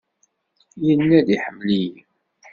Yenna-d iḥemmel-iyi.